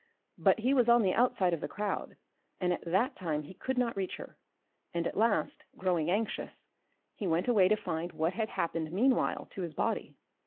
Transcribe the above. But he was on the outside of the crowd and at that time he could not reach her, and at last, growing anxious, he went away to find what had happened meanwhile to his body.